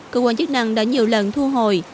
cơ quan chức năng đã nhiều lần thu hồi